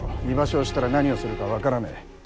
居場所を知ったら何をするか分からねえ。